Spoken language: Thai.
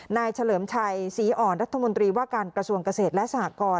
เฉลิมชัยศรีอ่อนรัฐมนตรีว่าการกระทรวงเกษตรและสหกร